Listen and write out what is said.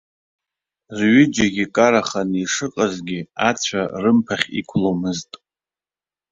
Рҩыџьегьы караханы ишыҟазгьы, ацәа рымԥахь иқәломызт.